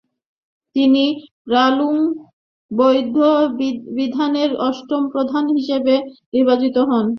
তিনি রালুং বৌদ্ধবিহারের অষ্টম প্রধান হিসেবে নির্বাচিত হন।